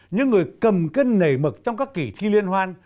những người cầm cân nảy mực trong các kỳ thi liên hoan